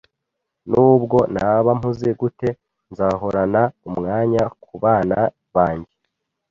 Nubwo naba mpuze gute, nzahorana umwanya kubana banjye